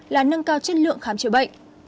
là nâng cao chất lượng khám chữa bệnh